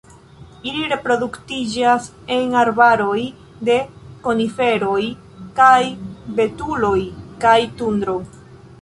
Ili reproduktiĝas en arbaroj de koniferoj kaj betuloj kaj tundro.